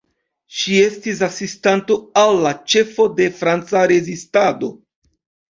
Ŝi estis asistanto al la ĉefo de Franca rezistado.